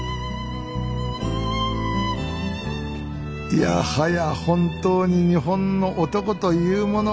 いやはや本当に日本の男というものは。